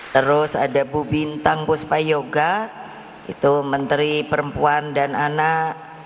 terus ada bu bintang puspayoga itu menteri perempuan dan anak